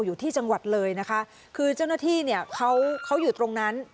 อยู่ที่จังหวัดเลยนะคะคือเจ้าหน้าที่เนี่ยเขาเขาอยู่ตรงนั้น